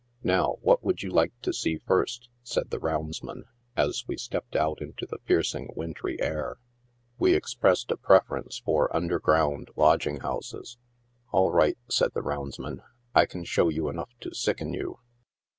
" Nov/, what would you like to see first ?" said the roundsman, as we stepped out into the piercing wintry air. We expressed a preference for underground lodging houses. "All right," said the roundsman; "lean show you enough to sicken you."